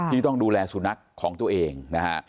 ที่ต้องดูแลสุนัขของตัวเองนะฮะ